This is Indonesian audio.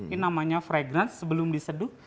ini namanya fregnance sebelum diseduh